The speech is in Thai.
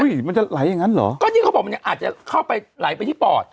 มันจะไหลอย่างนั้นเหรอก็นี่เขาบอกมันยังอาจจะเข้าไปไหลไปที่ปอด